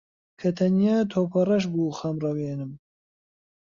کە تەنیا تۆپەڕەش بوو خەمڕەوێنم